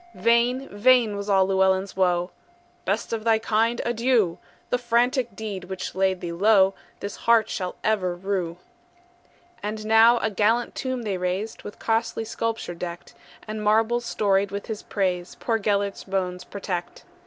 Vain, vain was all Llewellyn's woe; "Best of thy kind, adieu! The frantic deed which laid thee low This heart shall ever rue!" And now a gallant tomb they raised, With costly sculpture decked; And marbles storied with his praise Poor Gelert's bones protect.